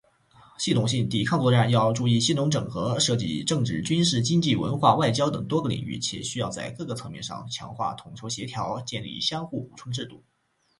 系统性：抵抗作战要注重系统整合，涉及政治、军事、经济、文化、外交等多个领域，需要在各个层面上强化统筹协调，建立相互补充的制度。